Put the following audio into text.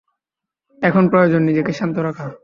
এখন প্রয়োজন নিজেকে শান্ত রাখা।